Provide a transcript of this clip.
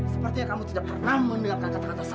sepertinya kamu tidak pernah mendengarkan kata kata saya